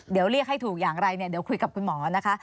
เดี๋ยวเรียกให้ถูกอย่างไรเนี่ยเดี๋ยวคุยกับคุณหมอนะคะ